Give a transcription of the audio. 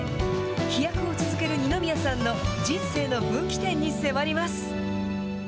飛躍を続ける二宮さんの人生の分岐点に迫ります。